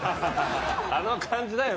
あの感じだよ！